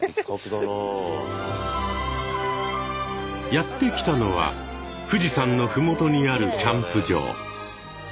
やって来たのは富士山の麓にあるキャンプ場。